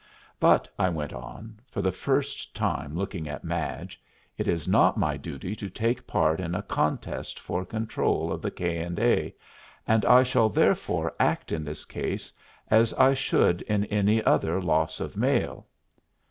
"But," I went on, for the first time looking at Madge, "it is not my duty to take part in a contest for control of the K. & A., and I shall therefore act in this case as I should in any other loss of mail."